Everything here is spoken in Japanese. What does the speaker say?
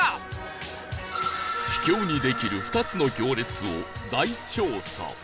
秘境にできる２つの行列を大調査